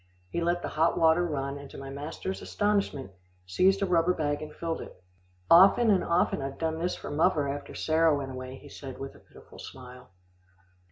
He let the hot water run, and to my master's astonishment, seized a rubber bag and filled it. "Often and often I've done this for muvver after Sarah went away," he said with a pitiful smile.